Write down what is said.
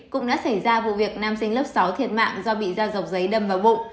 cũng đã xảy ra vụ việc nam sinh lớp sáu thiệt mạng do bị ra dọc giấy đâm vào bụng